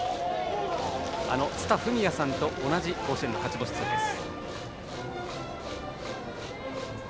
蔦文也さんと同じ甲子園の勝ち星数です。